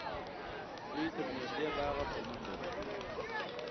دوی تر نږدې باغه په منډه ول